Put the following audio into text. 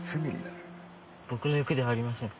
僕の欲ではありません。